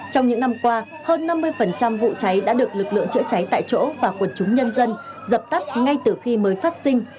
trong những năm qua hơn năm mươi vụ cháy đã được lực lượng chữa cháy tại chỗ và quần chúng nhân dân dập tắt ngay từ khi mới phát sinh